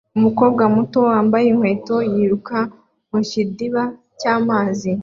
Umukobwa muto wambaye inkweto yiruka mu kidiba cy'amazi